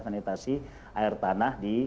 sanitasi air tanah di jawa barat